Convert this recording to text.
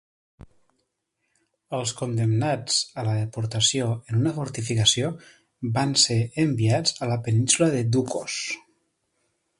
Els condemnats a la deportació en una fortificació van ser enviats a la Península de Ducos.